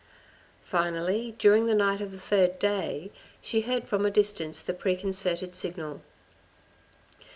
Finally during the night of the third day, she heard from a distance the preconcerted signal.